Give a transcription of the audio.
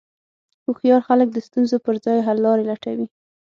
هوښیار خلک د ستونزو پر ځای حللارې لټوي.